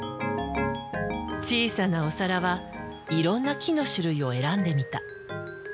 小さなお皿はいろんな木の種類を選んでみた。